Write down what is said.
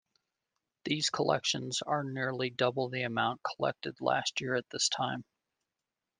These collections are nearly double the amount collected last year at this time.